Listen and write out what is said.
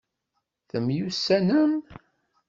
Temyussanem?